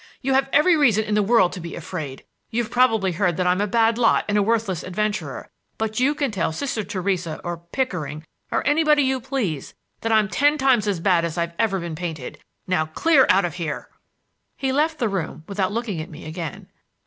"You have every reason in the world to be afraid. You've probably heard that I'm a bad lot and a worthless adventurer; but you can tell Sister Theresa or Pickering or anybody you please that I'm ten times as bad as I've ever been painted. Now clear out of here!" He left the room without looking at me again.